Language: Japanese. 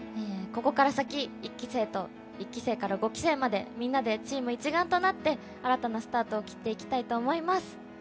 ここから先、１期生から５期生までみんなでチーム一丸となって新たなスタートを切っていきたいと思います。